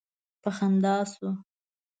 په خندا شو.